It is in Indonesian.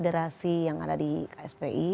federasi yang ada di kspi